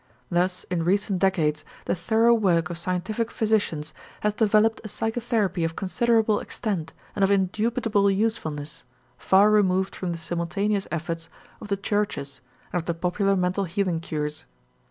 Thus in recent decades the thorough work of scientific physicians has developed a psychotherapy of considerable extent and of indubitable usefulness, far removed from the simultaneous efforts of the churches and of the popular mental healing cures.